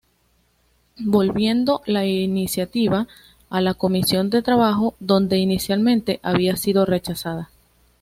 Volviendo la iniciativa a la comisión de Trabajo, donde inicialmente había sido rechazada.